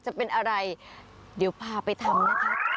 จะเป็นอะไรเดี๋ยวพาไปทำนะคะ